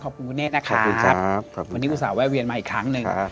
ขอบคุณคุณเนธนะครับวันนี้อุตส่าห์แววเวียนมาอีกครั้งนึง